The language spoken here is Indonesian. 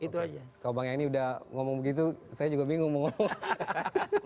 kalau bang yani sudah ngomong begitu saya juga bingung mau ngomong